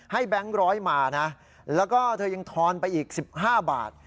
แบงค์ร้อยมานะแล้วก็เธอยังทอนไปอีก๑๕บาท